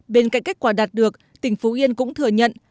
bên cạnh kết quả đạt được tỉnh phú yên cũng thừa nhận